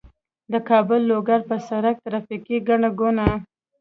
د کابل- لوګر په سړک ترافیکي ګڼه ګوڼه